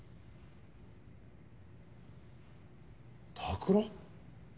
拓郎？